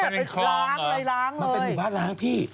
มันเป็นบ้านล้างพี่